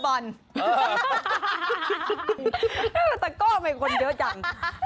ก็เป็นตะกอดมันมีคนเยอะจัง